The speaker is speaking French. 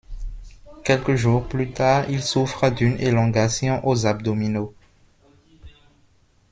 Quelques jours plus tard, il souffre d’une élongation aux abdominaux.